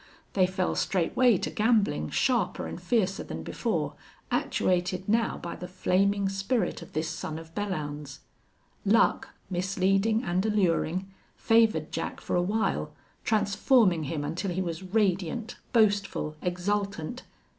They fell straightway to gambling, sharper and fiercer than before, actuated now by the flaming spirit of this son of Belllounds. Luck, misleading and alluring, favored Jack for a while, transforming him until he was radiant, boastful, exultant.